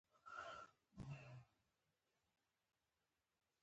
• بښل د نرم زړه خلک کوي.